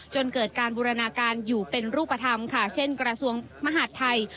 จนเกิดการบูรณาการอยู่เป็นรูปธรรมค่ะเช่นกระทรวงมหาดไทย